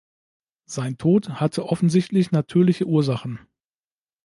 Sein Tod hatte offensichtlich natürliche Ursachen.